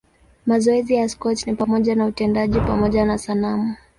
Mazoezi ya Scott ni pamoja na utendaji pamoja na sanamu.